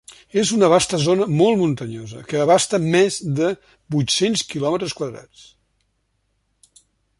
És una vasta zona molt muntanyosa que abasta més de vuit-cents quilòmetres quadrats.